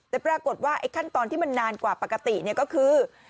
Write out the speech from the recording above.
แต่ปรากฏว่าไอ้ขั้นตอนที่มันนานกว่าปกติก็คือ